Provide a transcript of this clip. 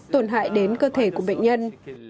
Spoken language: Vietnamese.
tổn hại đến cơ thể của bệnh nhân